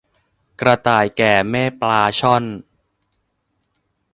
กระต่ายแก่แม่ปลาช่อน